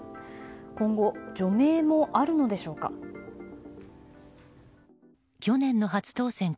今後、除名もあるのでしょうか。